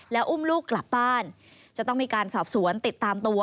แล้วอุ้มลูกกลับบ้านจะต้องมีการสอบสวนติดตามตัว